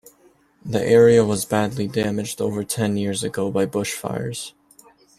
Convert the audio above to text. The area was badly damaged over ten years ago by bushfires.